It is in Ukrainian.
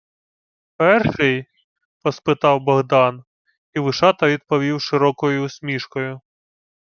— Перший? — поспитав Богдан, і Вишата відповів широкою усмішкою.